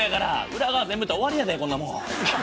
裏側全部やったら終わりやでこんなもん。